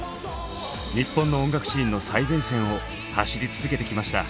日本の音楽シーンの最前線を走り続けてきました。